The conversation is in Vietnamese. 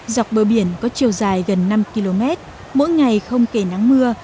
dọc bờ biển có chiều dài gần năm km mỗi ngày không kể nắng mưa